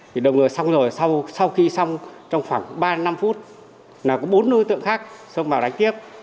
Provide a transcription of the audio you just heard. thì đầu ngờ xong rồi sau khi xong trong khoảng ba năm phút là có bốn đối tượng khác xông vào đánh tiếp